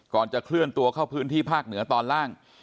ก่อนจะเคลื่อนตัวเข้าพื้นที่ภาคเหนือตอนล่าง